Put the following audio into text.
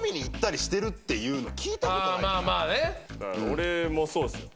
俺もそうですよ